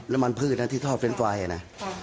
น้ำมันพืชนะที่ทอบเฟ้นไฟล์อ่ะนะ